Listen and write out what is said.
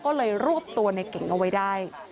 ก็เลยรูปตัวนายเก๋งเอาไว้ได้